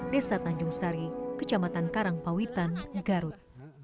desa tanjung sari kecamatan karangpawitan garut